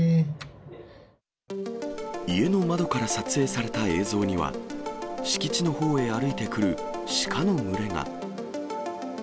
家の窓から撮影された映像には、敷地のほうへ歩いてくるシカの群れが。